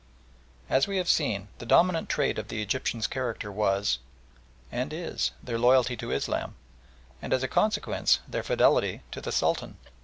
As we have seen, the dominant trait of the Egyptians' character was, and is, their loyalty to Islam, and, as a consequence, their fidelity to the Sultan.